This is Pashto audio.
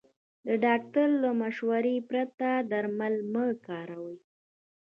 د ډاکټر له مشورې پرته درمل مه کاروئ.